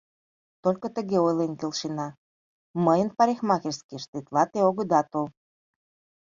— Только тыге ойлен келшена: мыйын парикмахерскийыш тетла те огыда тол.